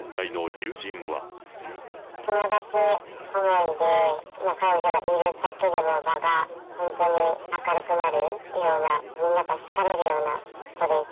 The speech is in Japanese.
友達思いで、彼女がいるだけで、もう場が本当に明るくなるような、みんなから好かれるような子です。